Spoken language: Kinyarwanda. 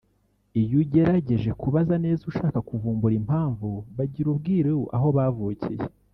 Iyo ugeregeje kubaza neza ushaka kuvumbura impamvu bagira ubwiru aho bavukiye